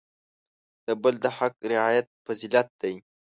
د بل د حق رعایت فضیلت دی.